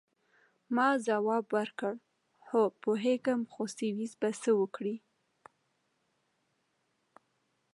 ما ځواب ورکړ: هو، پوهیږم، خو سویس به څه وکړي؟